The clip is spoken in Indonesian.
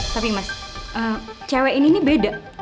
tapi mas cewek ini beda